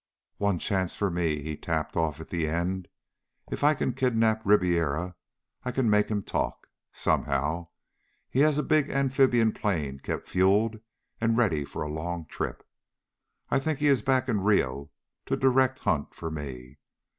"One chance for me," he tapped off at the end. "_If I can kidnap Ribiera I can make him talk. Somehow. He has big amphibian plane kept fueled and ready for long trip. I think he is back in Rio to direct hunt for me.